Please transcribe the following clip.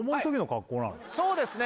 そうですね